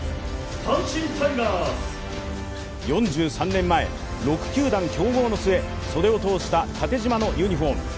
４３年前、６球団競合の末袖を通した縦縞のユニフォーム。